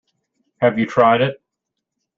Have you tried it?